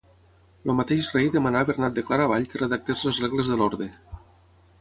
El mateix rei demanà Bernat de Claravall que redactés les regles de l'Orde.